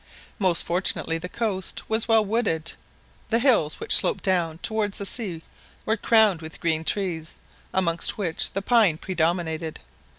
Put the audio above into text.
Most fortunately the coast, was well wooded; the hills which sloped down towards the sea were crowned with green trees, amongst which the pine predominated.